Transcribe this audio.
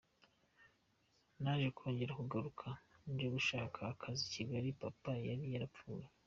Naje kongera kugaruka nje gushaka akazi i Kigali, Papa yari yarapfuye.